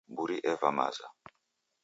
Mburi eva maza